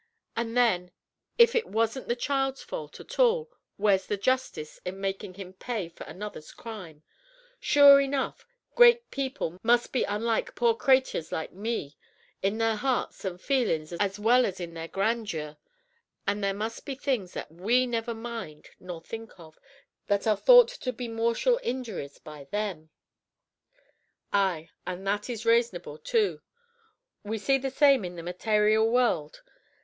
And then if it was n't the child's fault at all, where's the justice in makin' him pay for another's crime? Sure enough, great people must be unlike poor craytures like me, in their hearts and feelin's as well as in their grandeur; and there must be things that we never mind nor think of, that are thought to be mortial injuries by them. Ay, and that is raysonable too! We see the same in the matayrial world.